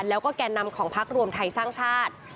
แล้วก็แก่นำของพักรวมไทยสร้างชาติ